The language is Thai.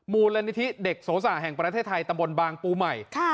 มูลนิธิเด็กโสสะแห่งประเทศไทยตำบลบางปูใหม่